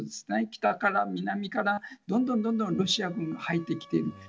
北から南から、どんどんロシア軍が入ってきている。